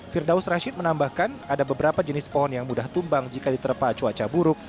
firdaus rashid menambahkan ada beberapa jenis pohon yang mudah tumbang jika diterpa cuaca buruk